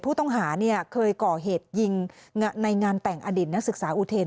ผู้ต้องหาเคยก่อเหตุยิงในงานแต่งอดิตนักศึกษาอุเทรน